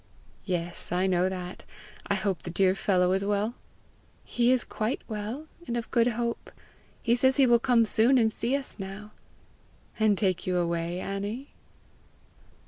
"Yes; I know that. I hope the dear fellow is well?" "He is quite well and of good hope. He says he will soon come and see us now." "And take you away, Annie?"